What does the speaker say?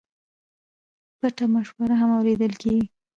پټه مشوره هم اورېدل کېږي.